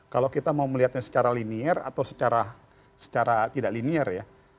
kalau kita mau melihatnya secara linier atau secara tidak linier ya